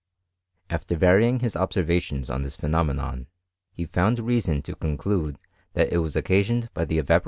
After vary . ing his observations on this phenomenon, he found i reason to conclude that it was occasioned by the evati'.